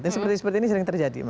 seperti ini sering terjadi